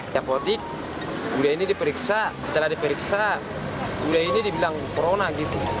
di apotik budaya ini diperiksa setelah diperiksa budaya ini dibilang corona gitu